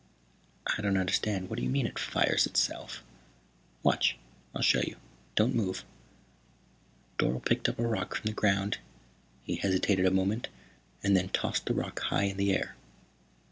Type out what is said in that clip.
"I don't understand. What do you mean, it fires itself?" "Watch, I'll show you. Don't move." Dorle picked up a rock from the ground. He hesitated a moment and then tossed the rock high in the air.